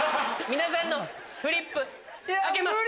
皆さんのフリップ開けます。